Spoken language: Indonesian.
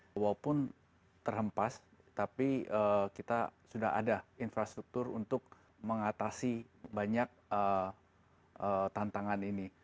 walaupun terhempas tapi kita sudah ada infrastruktur untuk mengatasi banyak tantangan ini